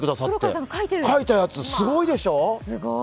黒川君が描いたやつ、すごいでしょ。